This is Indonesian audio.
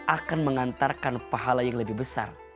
akan mengantarkan pahala yang lebih besar